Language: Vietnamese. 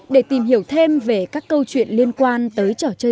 để tìm hiểu thêm về các câu chuyện liên quan tới trò chơi